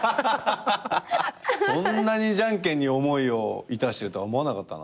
そんなにじゃんけんに思いを致してるとは思わなかった。